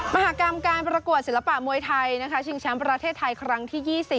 มหากรรมการประกวดศิลปะมวยไทยชิงแชมป์ประเทศไทยครั้งที่๒๐